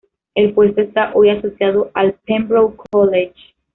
El puesto está hoy asociado al Pembroke College.